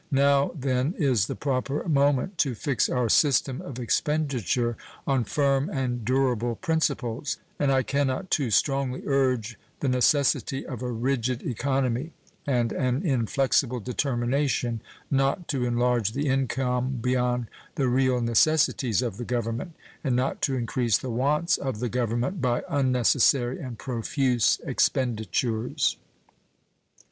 Now, then, is the proper moment to fix our system of expenditure on firm and durable principles, and I can not too strongly urge the necessity of a rigid economy and an inflexible determination not to enlarge the income beyond the real necessities of the Government and not to increase the wants of the Government by unnecessary and profuse expenditures.